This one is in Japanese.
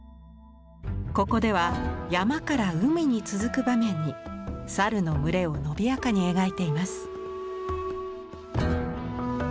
ここでは山から海に続く場面に猿の群れを伸びやかに描いています。